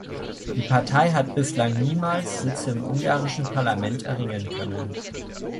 Die Partei hat bislang niemals Sitze im ungarischen Parlament erringen können.